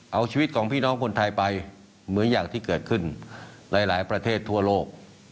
เอาชีวิตของพี่น้องคนไทยไปเหมือนอย่างที่เกิดขึ้นหลายประเทศทั่วโลก